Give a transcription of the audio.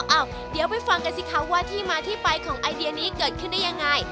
อ้าวเดี๋ยวไปฟังกันสิคะว่าที่มาที่ไปของไอเดียนี้เกิดขึ้นได้ยังไง